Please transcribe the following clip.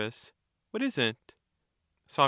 What is it? Soc.